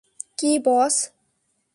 কি, বস?